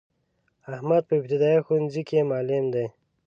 احمد په ابتدایه ښونځی کی معلم دی.